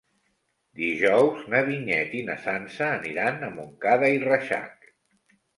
Dijous na Vinyet i na Sança aniran a Montcada i Reixac.